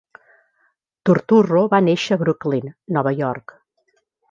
Turturro va néixer a Brooklyn, Nova York.